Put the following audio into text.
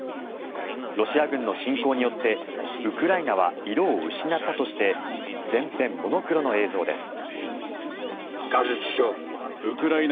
ロシア軍の侵攻によってウクライナは色を失ったとして全編モノクロの映像です。